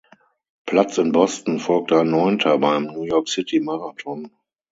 Platz in Boston folgte ein neunter beim New-York-City-Marathon.